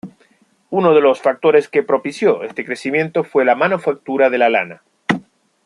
Uno de los factores que propició este crecimiento fue la manufactura de la lana.